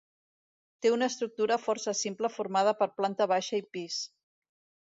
Té una estructura força simple formada per planta baixa i pis.